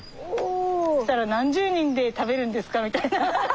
そしたら何十人で食べるんですかみたいな。